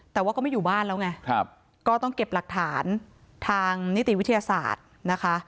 แต่ว่าก็ไม่อยู่บ้านแล้วไงก็ต้องเก็บหลักฐานทางนิติวิทยาศาสตร์นะคะ